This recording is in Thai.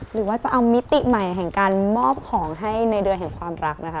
หรือว่าจะเอามิติใหม่แห่งการมอบของให้ในเดือนแห่งความรักนะคะ